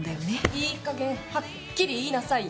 いい加減はっきり言いなさいよ。